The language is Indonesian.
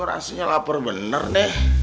rasanya lapar bentar deh